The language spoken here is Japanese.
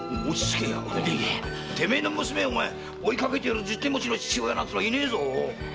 てめえの娘を追いかけてる十手持ちの父親なんていねえぞ！